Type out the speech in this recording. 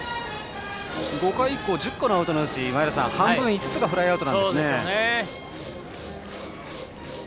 ５回以降１０個のアウトのうち半分５つがフライアウトですね。